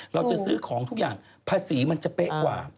เราจะซื้อของทุกอย่างภาษีมันจะเป๊ะกว่า